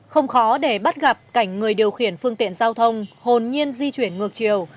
không khó để bắt gặp cảnh người điều khiển phương tiện giao thông hồn nhiên di chuyển ngược chiều